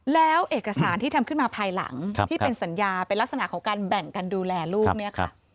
แล้วเอกสารที่ทำขึ้นมาภายหลังที่เป็นสัญญาเป็นลักษณะของการแบ่งกันดูแลลูกเนี่ยค่ะ